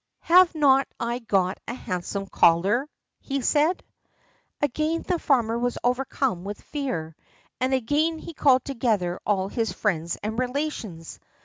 "Have not I got a handsome collar?" he said. Again the farmer was overcome with fear, and again he called together all his friends and relations.